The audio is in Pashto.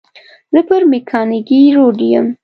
زه پر مېکانګي روډ یم.